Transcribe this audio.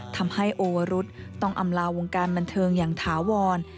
ทำให้โอวรุษต้องอำลาวงการบันเทิงอย่างถาวร